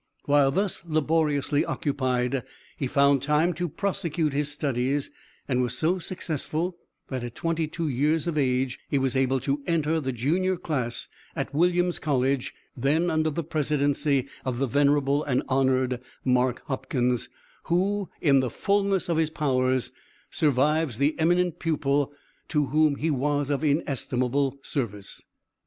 While thus laboriously occupied he found time to prosecute his studies, and was so successful that at twenty two years of age he was able to enter the junior class at Williams College, then under the presidency of the venerable and honored Mark Hopkins, who, in the fullness of his powers, survives the eminent pupil to whom he was of inestimable service.